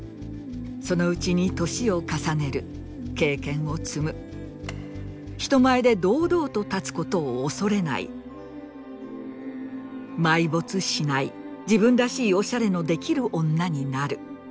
そのうちに歳を重ねる経験を積む人前で堂々と立つ事を恐れない埋没しない自分らしいオシャレのできる女になる。